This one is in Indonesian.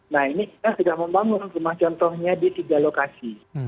nah ini kita sudah membangun rumah contohnya di tiga lokasi